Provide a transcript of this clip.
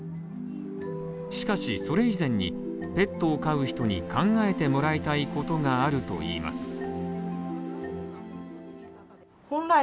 しかしそれ以前に、ペットを飼う人に考えてもらいたいことがあるといいます。